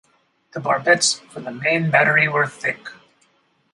The barbettes for the main battery were thick.